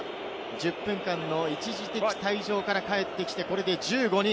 １０分間の一時的退場から帰ってきて、これで１５人。